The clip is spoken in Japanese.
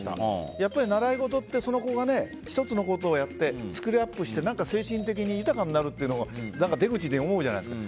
やっぱり習い事ってその子が１つのことをやってスキルアップして精神的に豊かになるっていうのが思うじゃないですか。